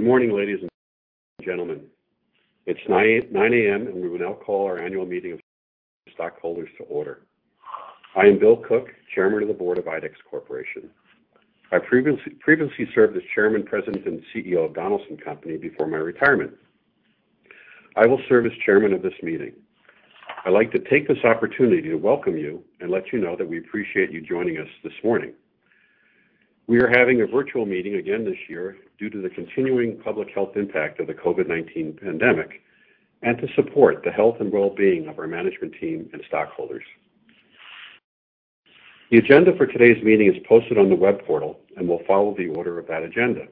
Good morning, ladies and gentlemen. It's 9:00 A.M., and we will now call our annual meeting of stockholders to order. I am Bill Cook, Chairman of the Board of IDEX Corporation. I previously served as Chairman, President, and CEO of Donaldson Company before my retirement. I will serve as Chairman of this meeting. I'd like to take this opportunity to welcome you and let you know that we appreciate you joining us this morning. We are having a virtual meeting again this year due to the continuing public health impact of the COVID-19 pandemic and to support the health and wellbeing of our management team and stockholders. The agenda for today's meeting is posted on the web portal and will follow the order of that agenda.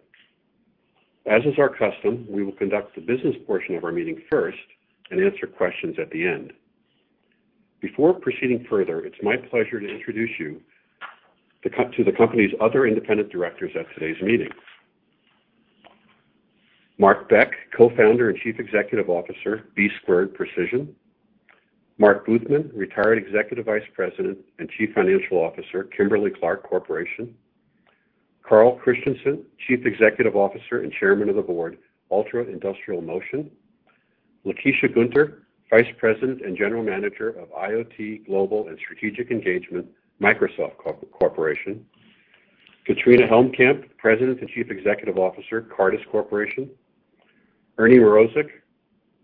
As is our custom, we will conduct the business portion of our meeting first and answer questions at the end. Before proceeding further, it's my pleasure to introduce you to the company's other independent directors at today's meeting. Mark Beck, Co-founder and Chief Executive Officer, B-Square Precision. Mark Buthman, Retired Executive Vice President and Chief Financial Officer, Kimberly-Clark Corporation. Carl Christenson, Chief Executive Officer and Chairman of the Board, Altra Industrial Motion. Lakecia Gunter, Vice President and General Manager of IoT Global and Strategic Engagement, Microsoft Corporation. Katrina Helmkamp, President and Chief Executive Officer, Cartus Corporation. Ernest Mrozek,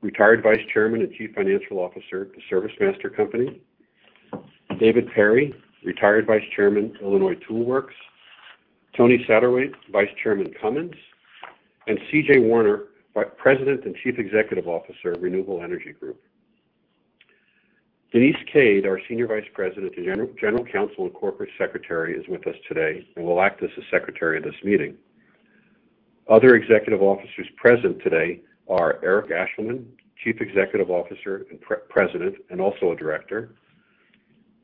Retired Vice Chairman and Chief Financial Officer at The ServiceMaster Company. David Perry, Retired Vice Chairman, Illinois Tool Works. Tony Satterthwaite, Vice Chairman, Cummins. Cynthia Warner, President and Chief Executive Officer of Renewable Energy Group. Denise Cade, our Senior Vice President and General Counsel and Corporate Secretary, is with us today and will act as the secretary of this meeting. Other executive officers present today are Eric Ashleman, Chief Executive Officer and President, and also a Director.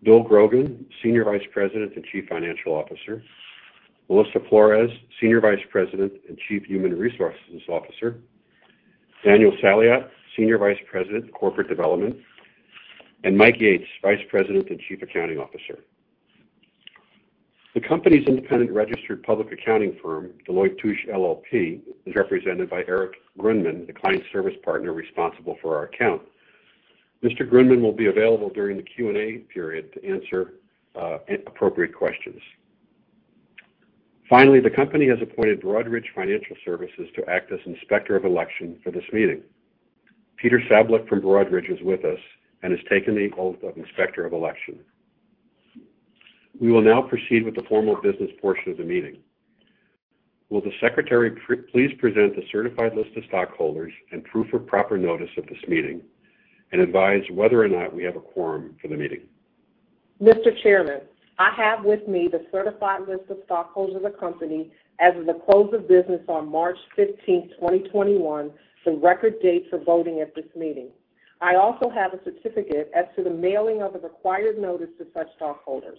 Bill Grogan, Senior Vice President and Chief Financial Officer. Melissa Flores, Senior Vice President and Chief Human Resources Officer. Daniel Saliot, Senior Vice President of Corporate Development, and Mike Yates, Vice President and Chief Accounting Officer. The company's independent registered public accounting firm, Deloitte & Touche LLP, is represented by Erich Grundman, the client service partner responsible for our account. Mr. Grundman will be available during the Q&A period to answer appropriate questions. The company has appointed Broadridge Financial [Services] to act as Inspector of Election for this meeting. Peter Sablik from Broadridge is with us and has taken the oath of Inspector of Election. We will now proceed with the formal business portion of the meeting. Will the Secretary please present the certified list of stockholders and proof of proper notice of this meeting and advise whether or not we have a quorum for the meeting? Mr. Chairman, I have with me the certified list of stockholders of the company as of the close of business on March 15th, 2021, the record date for voting at this meeting. I also have a certificate as to the mailing of the required notice to such stockholders.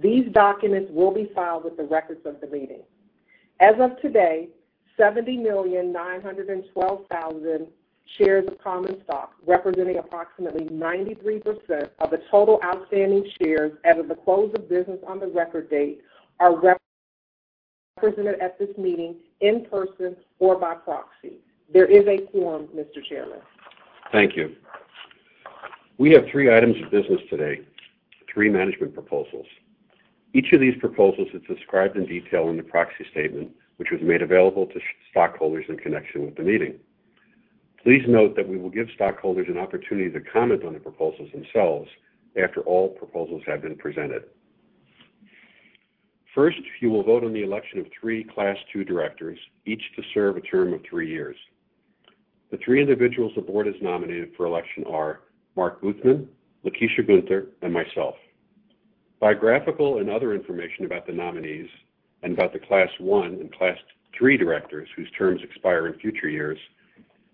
These documents will be filed with the records of the meeting. As of today, 70,912,000 shares of common stock, representing approximately 93% of the total outstanding shares as of the close of business on the record date, are represented at this meeting in person or by proxy. There is a quorum, Mr. Chairman. Thank you. We have three items of business today, three management proposals. Each of these proposals is described in detail in the proxy statement, which was made available to stockholders in connection with the meeting. Please note that we will give stockholders an opportunity to comment on the proposals themselves after all proposals have been presented. First, you will vote on the election of three Class II directors, each to serve a term of three years. The three individuals the board has nominated for election are Mark Buthman, Lakecia Gunter, and myself. Biographical and other information about the nominees and about the Class I and Class III directors, whose terms expire in future years,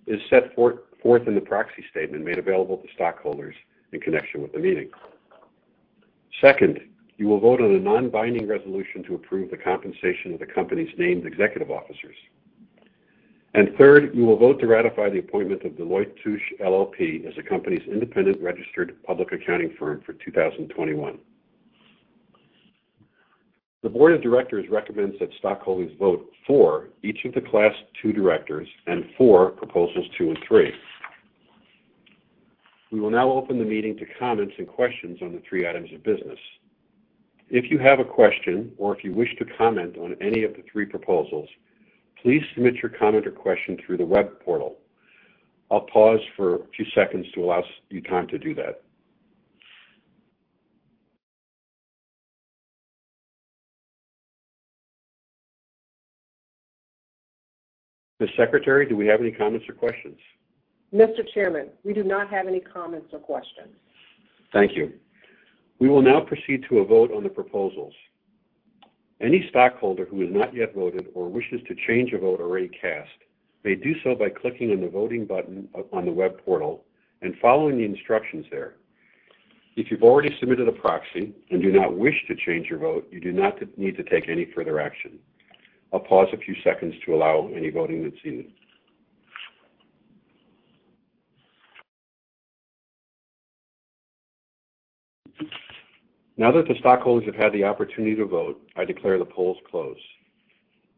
is set forth in the proxy statement made available to stockholders in connection with the meeting. Second, you will vote on a non-binding resolution to approve the compensation of the company's named executive officers. Third, you will vote to ratify the appointment of Deloitte & Touche LLP as the company's independent registered public accounting firm for 2021. The Board of Directors recommends that stockholders vote for each of the Class II directors and for Proposals Two and Three. We will now open the meeting to comments and questions on the three items of business. If you have a question or if you wish to comment on any of the three proposals, please submit your comment or question through the web portal. I'll pause for a few seconds to allow you time to do that. Ms. Secretary, do we have any comments or questions? Mr. Chairman, we do not have any comments or questions. Thank you. We will now proceed to a vote on the proposals. Any stockholder who has not yet voted or wishes to change a vote already cast may do so by clicking on the voting button on the web portal and following the instructions there. If you've already submitted a proxy and do not wish to change your vote, you do not need to take any further action. I'll pause a few seconds to allow any voting that's needed. Now that the stockholders have had the opportunity to vote, I declare the polls closed.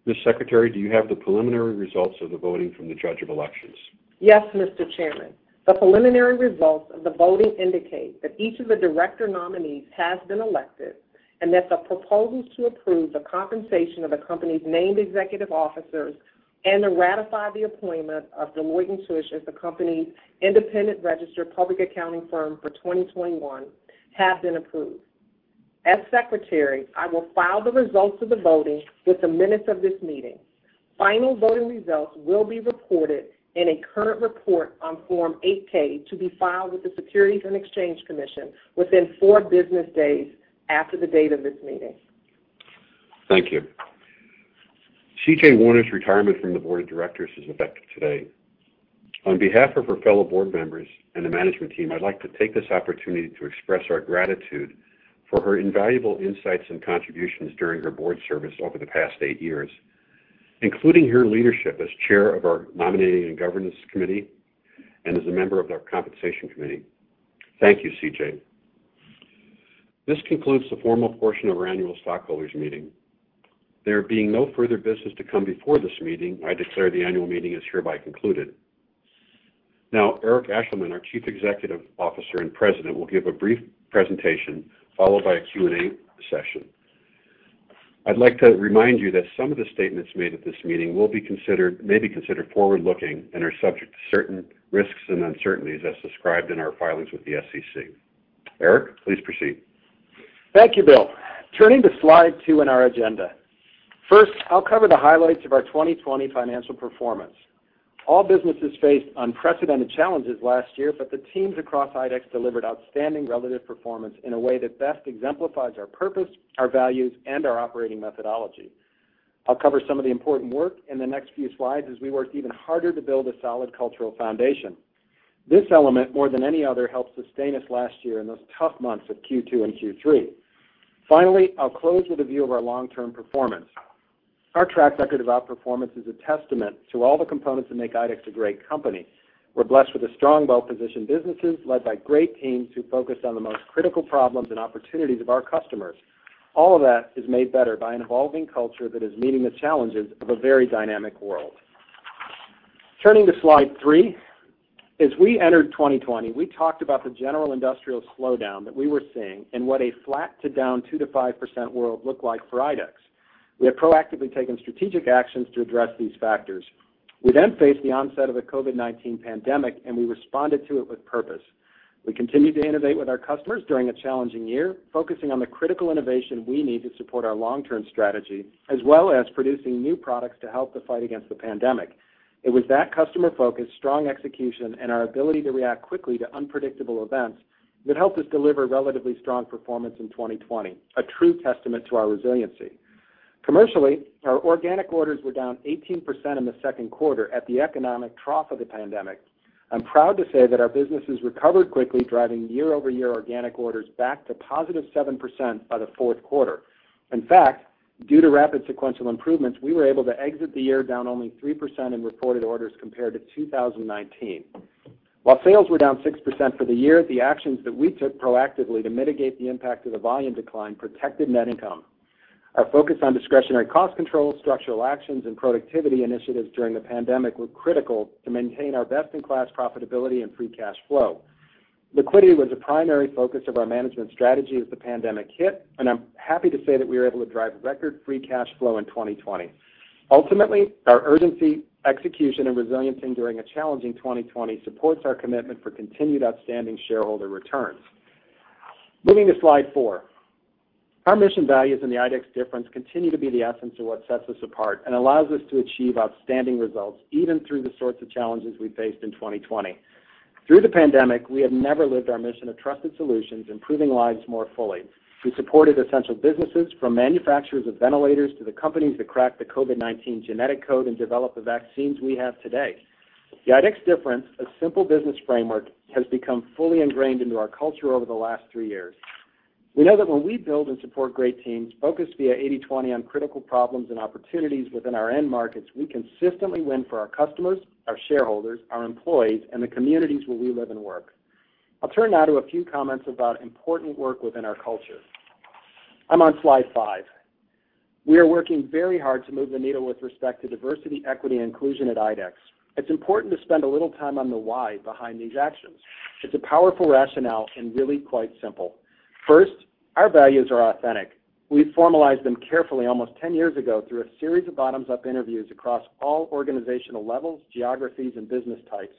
Ms. Secretary, do you have the preliminary results of the voting from the Judge of Elections? Yes, Mr. Chairman. The preliminary results of the voting indicate that each of the director nominees has been elected, and that the proposals to approve the compensation of the company's named executive officers and to ratify the appointment of Deloitte & Touche as the company's independent registered public accounting firm for 2021 have been approved. As secretary, I will file the results of the voting with the minutes of this meeting. Final voting results will be reported in a current report on Form 8-K to be filed with the Securities and Exchange Commission within four business days after the date of this meeting. Thank you. Cynthia Warner's retirement from the board of directors is effective today. On behalf of her fellow board members and the management team, I'd like to take this opportunity to express our gratitude for her invaluable insights and contributions during her board service over the past eight years, including her leadership as chair of our Nominating and Governance Committee and as a member of our Compensation Committee. Thank you, CJ. This concludes the formal portion of our annual stockholders meeting. There being no further business to come before this meeting, I declare the annual meeting is hereby concluded. Now, Eric Ashleman, our Chief Executive Officer and President, will give a brief presentation, followed by a Q&A session. I'd like to remind you that some of the statements made at this meeting may be considered forward-looking and are subject to certain risks and uncertainties as described in our filings with the SEC. Eric, please proceed. Thank you, Bill. Turning to slide two in our agenda. First, I'll cover the highlights of our 2020 financial performance. All businesses faced unprecedented challenges last year, but the teams across IDEX delivered outstanding relative performance in a way that best exemplifies our purpose, our values, and our operating methodology. I'll cover some of the important work in the next few slides as we worked even harder to build a solid cultural foundation. This element, more than any other, helped sustain us last year in those tough months of Q2 and Q3. Finally, I'll close with a view of our long-term performance. Our track record of outperformance is a testament to all the components that make IDEX a great company. We're blessed with strong, well-positioned businesses led by great teams who focus on the most critical problems and opportunities of our customers. All of that is made better by an evolving culture that is meeting the challenges of a very dynamic world. Turning to slide three. As we entered 2020, we talked about the general industrial slowdown that we were seeing and what a flat to down 2%-5% world looked like for IDEX. We had proactively taken strategic actions to address these factors. We faced the onset of the COVID-19 pandemic, and we responded to it with purpose. We continued to innovate with our customers during a challenging year, focusing on the critical innovation we need to support our long-term strategy, as well as producing new products to help the fight against the pandemic. It was that customer focus, strong execution, and our ability to react quickly to unpredictable events that helped us deliver relatively strong performance in 2020, a true testament to our resiliency. Commercially, our organic orders were down 18% in the second quarter at the economic trough of the pandemic. I'm proud to say that our businesses recovered quickly, driving year-over-year organic orders back to +7% by the fourth quarter. In fact, due to rapid sequential improvements, we were able to exit the year down only 3% in reported orders compared to 2019. While sales were down 6% for the year, the actions that we took proactively to mitigate the impact of the volume decline protected net income. Our focus on discretionary cost control, structural actions, and productivity initiatives during the pandemic were critical to maintain our best-in-class profitability and free cash flow. Liquidity was a primary focus of our management strategy as the pandemic hit, and I'm happy to say that we were able to drive record free cash flow in 2020. Ultimately, our urgency, execution, and resiliency during a challenging 2020 supports our commitment for continued outstanding shareholder returns. Moving to slide four. Our mission, values, and the IDEX Difference continue to be the essence of what sets us apart and allows us to achieve outstanding results, even through the sorts of challenges we faced in 2020. Through the pandemic, we have never lived our mission of trusted solutions, improving lives more fully. We supported essential businesses from manufacturers of ventilators to the companies that cracked the COVID-19 genetic code and developed the vaccines we have today. The IDEX Difference, a simple business framework, has become fully ingrained into our culture over the last three years. We know that when we build and support great teams, focus via 80/20 on critical problems and opportunities within our end markets, we consistently win for our customers, our shareholders, our employees, and the communities where we live and work. I'll turn now to a few comments about important work within our culture. I'm on slide five. We are working very hard to move the needle with respect to diversity, equity, and inclusion at IDEX. It's important to spend a little time on the why behind these actions. It's a powerful rationale and really quite simple. First, our values are authentic. We formalized them carefully almost 10 years ago through a series of bottoms-up interviews across all organizational levels, geographies, and business types.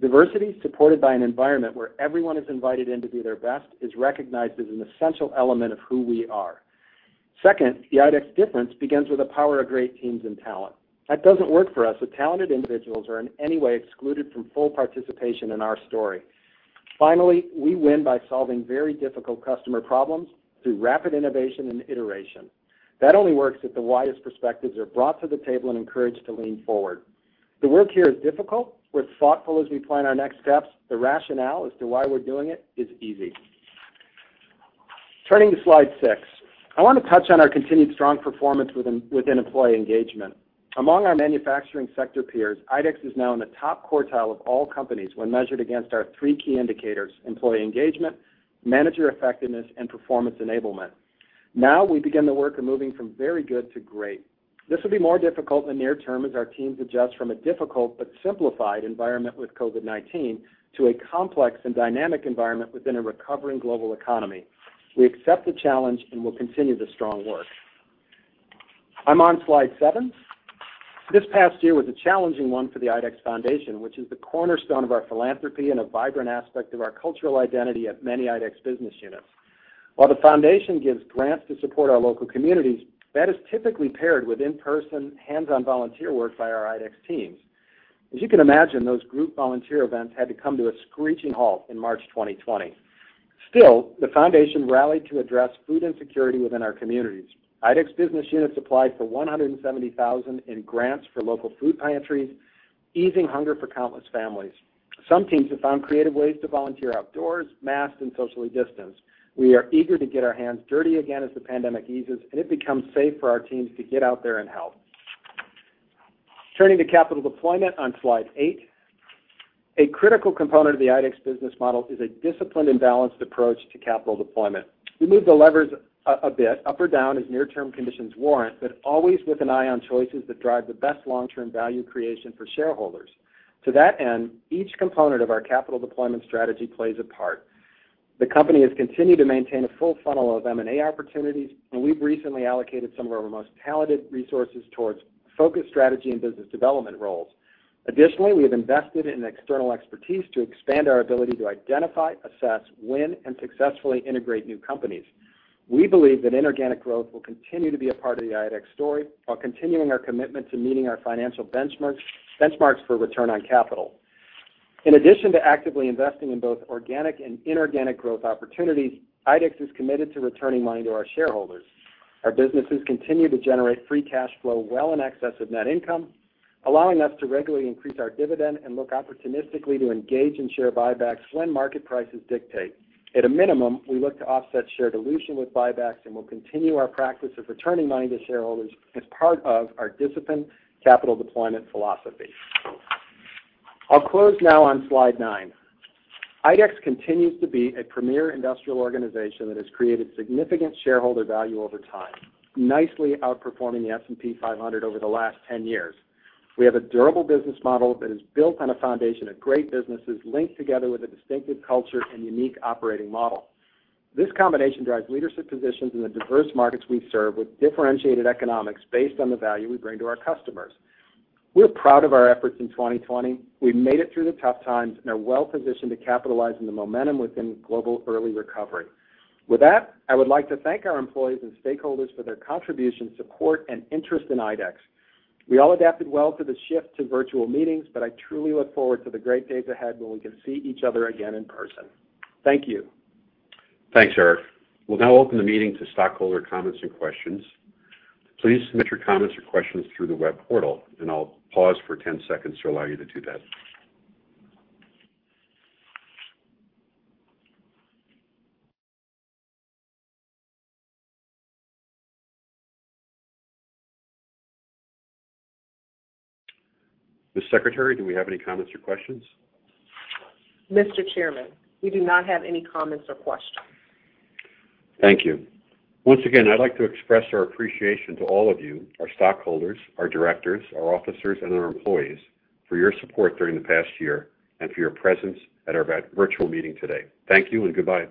Diversity, supported by an environment where everyone is invited in to do their best, is recognized as an essential element of who we are. Second, the IDEX Difference begins with the power of great teams and talent. That doesn't work for us if talented individuals are in any way excluded from full participation in our story. Finally, we win by solving very difficult customer problems through rapid innovation and iteration. That only works if the widest perspectives are brought to the table and encouraged to lean forward. The work here is difficult. We're thoughtful as we plan our next steps. The rationale as to why we're doing it is easy. Turning to slide six. I want to touch on our continued strong performance within employee engagement. Among our manufacturing sector peers, IDEX is now in the top quartile of all companies when measured against our three key indicators, employee engagement, manager effectiveness, and performance enablement. Now, we begin the work of moving from very good to great. This will be more difficult in the near term as our teams adjust from a difficult but simplified environment with COVID-19 to a complex and dynamic environment within a recovering global economy. We accept the challenge and will continue the strong work. I'm on slide seven. This past year was a challenging one for the IDEX Foundation, which is the cornerstone of our philanthropy and a vibrant aspect of our cultural identity at many IDEX business units. While the foundation gives grants to support our local communities, that is typically paired with in-person, hands-on volunteer work by our IDEX teams. As you can imagine, those group volunteer events had to come to a screeching halt in March 2020. Still, the foundation rallied to address food insecurity within our communities. IDEX business units applied for $170,000 in grants for local food pantries, easing hunger for countless families. Some teams have found creative ways to volunteer outdoors, masked, and socially distanced. We are eager to get our hands dirty again as the pandemic eases and it becomes safe for our teams to get out there and help. Turning to capital deployment on slide eight. A critical component of the IDEX business model is a disciplined and balanced approach to capital deployment. We move the levers a bit up or down as near-term conditions warrant, but always with an eye on choices that drive the best long-term value creation for shareholders. To that end, each component of our capital deployment strategy plays a part. The company has continued to maintain a full funnel of M&A opportunities, and we've recently allocated some of our most talented resources towards focused strategy and business development roles. Additionally, we have invested in external expertise to expand our ability to identify, assess, win, and successfully integrate new companies. We believe that inorganic growth will continue to be a part of the IDEX story while continuing our commitment to meeting our financial benchmarks for return on capital. In addition to actively investing in both organic and inorganic growth opportunities, IDEX is committed to returning money to our shareholders. Our businesses continue to generate free cash flow well in excess of net income, allowing us to regularly increase our dividend and look opportunistically to engage in share buybacks when market prices dictate. At a minimum, we look to offset share dilution with buybacks, and we'll continue our practice of returning money to shareholders as part of our disciplined capital deployment philosophy. I'll close now on slide nine. IDEX continues to be a premier industrial organization that has created significant shareholder value over time, nicely outperforming the S&P 500 over the last 10 years. We have a durable business model that is built on a foundation of great businesses linked together with a distinctive culture and unique operating model. This combination drives leadership positions in the diverse markets we serve with differentiated economics based on the value we bring to our customers. We're proud of our efforts in 2020. We've made it through the tough times and are well-positioned to capitalize on the momentum within global early recovery. With that, I would like to thank our employees and stakeholders for their contribution, support, and interest in IDEX. We all adapted well to the shift to virtual meetings, but I truly look forward to the great days ahead when we can see each other again in person. Thank you. Thanks, Eric. We'll now open the meeting to stockholder comments and questions. Please submit your comments or questions through the web portal, and I'll pause for 10 seconds to allow you to do that. Ms. Secretary, do we have any comments or questions? Mr. Chairman, we do not have any comments or questions. Thank you. Once again, I'd like to express our appreciation to all of you, our stockholders, our directors, our officers, and our employees for your support during the past year and for your presence at our virtual meeting today. Thank you and goodbye.